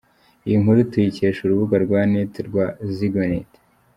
" Iyi nkuru tuyikesha urubuga rwa net rwa Zigonet.